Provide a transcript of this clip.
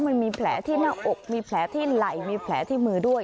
มันมีแผลที่หน้าอกมีแผลที่ไหล่มีแผลที่มือด้วย